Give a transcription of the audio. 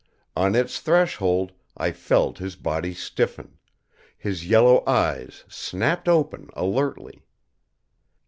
On its threshold I felt his body stiffen; his yellow eyes snapped open alertly.